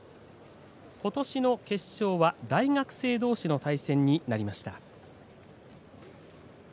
ことしの決勝は大学生どうしの対戦になりました。